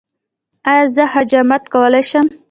ایا زه حجامت کولی شم؟